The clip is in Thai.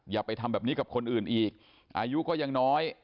อย่าไปทำแบบนี้กับคนอื่นอีกอายุก็ยังน้อย